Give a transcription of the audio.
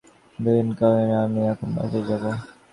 বিনয় কহিল, না, আমি এখন বাসায় যাব।